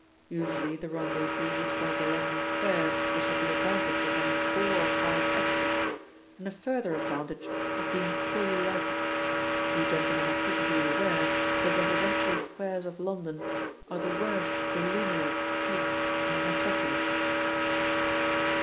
Usually the rendezvous was one of the London squares which had the advantage of having four or five exits and a further advantage of being poorly lighted; you gentlemen are probably aware that the residential squares of London are the worst illuminated streets in the metropolis.